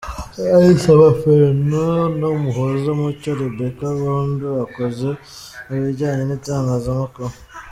Ndayisaba Ferrand na Umuhoza Mucyo Rebecca bombi bakoze mu bijyanye n’itangazamakuru.